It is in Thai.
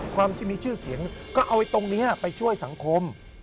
ความที่มีชื่อเสียงก็เอาตรงนี้ไปช่วยสังคม